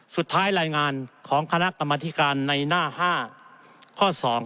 สุดท้ายรายงานของคณะกรรมธิการในหน้า๕ข้อ๒